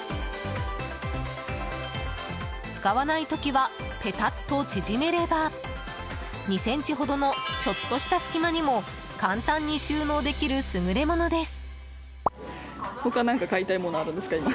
使わない時はペタッと縮めれば２ｃｍほどのちょっとした隙間にも簡単に収納できる優れものです。